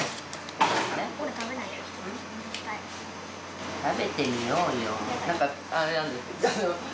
食べてみようよ。